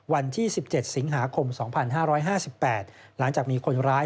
วันที่๑๗สิงหาคม๒๕๕๘หลังจากมีคนร้าย